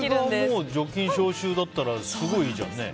これが除菌消臭だったらすごいいいじゃんね。